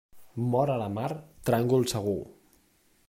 Mort a la mar, tràngol segur.